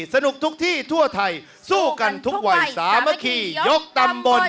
สนุกทุกที่ทั่วไทยสู้กันทุกวัยสามัคคียกตำบล